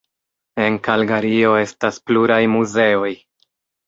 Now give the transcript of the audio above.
En Kalgario estas pluraj muzeoj.